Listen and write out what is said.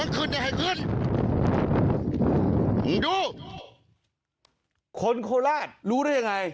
คนโคลาสรู้หรือยังไง